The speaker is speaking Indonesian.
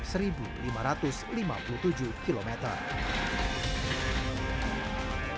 terdekat dengan aspirasi dua ratus lima puluh lima sepi yang masih memiliki tingkat beda